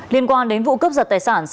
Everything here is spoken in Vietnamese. liên quan đến vụ cướp giật tài sản